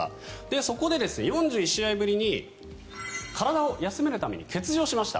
そこで４１試合ぶりに体を休めるために欠場しました。